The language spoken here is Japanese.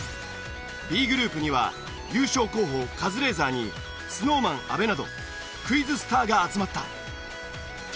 Ｂグループには優勝候補カズレーザーにＳｎｏｗＭａｎ阿部などクイズスターが集まった。